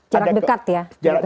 jarak dekat ya